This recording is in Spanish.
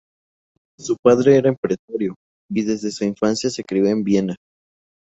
Su padre era empresario y desde su infancia se crio en Viena.